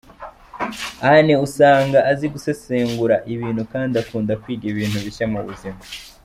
Anne usanga azi gusesengura ibintu kandi akunda kwiga ibintu bishya mu buzima.